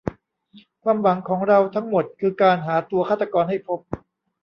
ความหวังของเราทั้งหมดคือการหาตัวฆาตรกรให้พบ